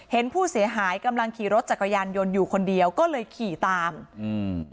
เห็นผู้เสียหายกำลังขี่รถจักรยานยนต์อยู่คนเดียวก็เลยขี่ตามอืม